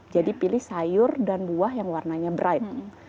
jadi pilih sayur dan buah yang warnanya bright